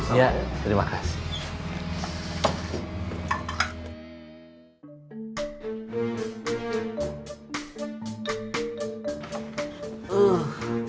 iya terima kasih